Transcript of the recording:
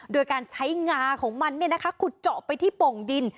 โดยการใช้งาของมันขุดเจาะไปที่โป่งดิน